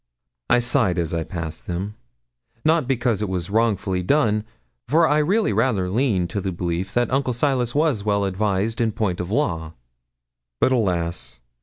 I sighed as I passed them by, not because it was wrongfully done, for I really rather leaned to the belief that Uncle Silas was well advised in point of law. But, alas!